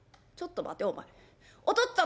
「ちょっと待てお前。